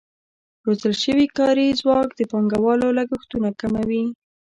روزل شوی کاري ځواک د پانګوالو لګښتونه کموي.